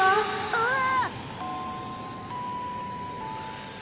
ああ。